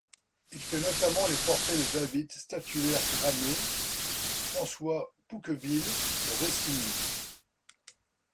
Il fait notamment les portraits de David, statuaire, Granet, François Pouqueville et Rossini.